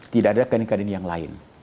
tidak ada kaitan kadin yang lain